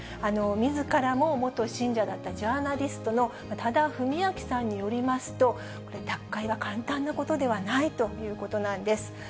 みずからも元信者だったジャーナリストの多田文明さんによりますと、これ、脱会は簡単なことではないということなんです。